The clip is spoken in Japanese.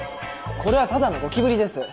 これはただのゴキブリです